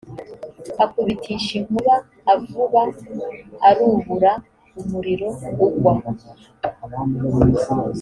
akubitisha inkuba avuba urubura umuriro ugwa